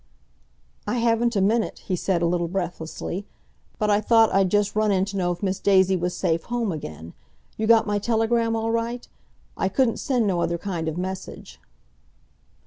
"I haven't a minute," he said a little breathlessly. "But I thought I'd just run in to know if Miss Daisy was safe home again. You got my telegram all right? I couldn't send no other kind of message."